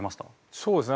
そうですね。